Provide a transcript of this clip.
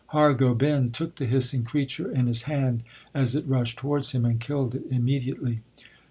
Har Gobind took the hissing creature in his hand as it rushed towards him, and killed it immediately.